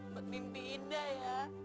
mimpi indah ya